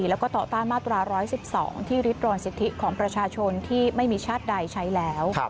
แล้วก็ต่อต้านมาตรา๑๑๒ที่ริดรอนสิทธิของประชาชนที่ไม่มีชาติใดใช้แล้ว